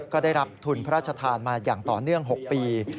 ก็ได้รับทุนพระราชทานมาอย่างต่อเนื่อง๖ปี